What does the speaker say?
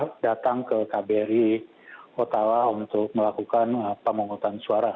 mereka datang ke kbri hotala untuk melakukan pemungutan suara